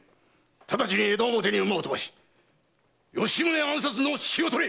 ただちに江戸表に馬をとばし吉宗暗殺の指揮をとれ！